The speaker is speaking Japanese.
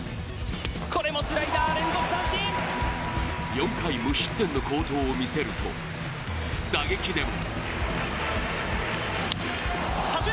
４回無失点の好投を見せると、打撃でも。